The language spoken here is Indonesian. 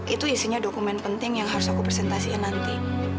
itu isinya dokumen penting yang harus aku presentasikan nanti